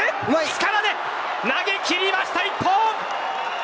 力で投げ切りました、一本。